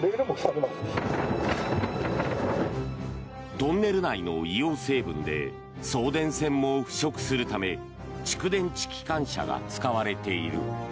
トンネル内の硫黄成分で送電線も腐食するため蓄電池機関車が使われている。